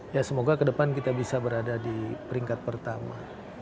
ya semoga kedepan kita bisa berada di peringkat pertama